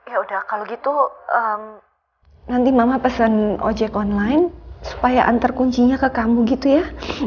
ya udah kalau gitu nanti mama pesen ojek online supaya antar kuncinya ke kamu gitu ya